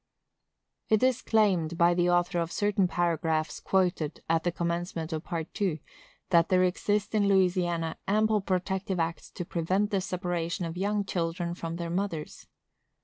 It is claimed, by the author of certain paragraphs quoted at the commencement of Part II., that there exist in Louisiana ample protective acts to prevent the separation of young children from their mothers.